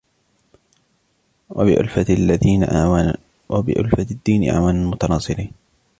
وَبِأُلْفَةِ الدِّينِ أَعْوَانًا مُتَنَاصِرِينَ